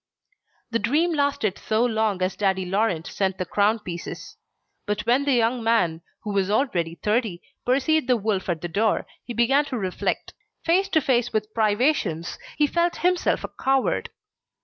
The dream lasted so long as daddy Laurent sent the crown pieces. But when the young man, who was already thirty, perceived the wolf at the door, he began to reflect. Face to face with privations, he felt himself a coward.